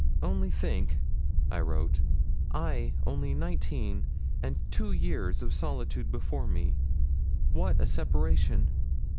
'Only think,' I wrote, 'I only nineteen, and two years of solitude before me. What a separation!'